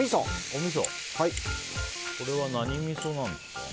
これは何みそですか？